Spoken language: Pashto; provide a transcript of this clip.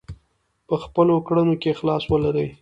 په خپلو کړنو کې اخلاص ولرئ.